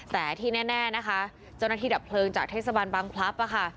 แต่ที่แน่นะคะเจ้าหน้าที่ดับเพลิงจากเทศบาลบังพลับค่ะ